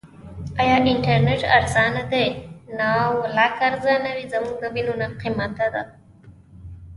آیا انټرنیټ ارزانه دی؟